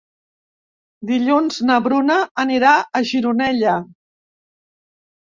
Dilluns na Bruna anirà a Gironella.